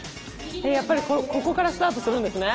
やっぱりここからスタートするんですね。